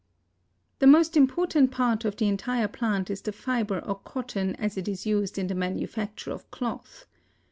The most important part of the entire plant is the fiber or cotton as it is used in the manufacture of cloth.